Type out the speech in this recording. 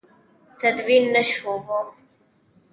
تدوین نه شوي وو.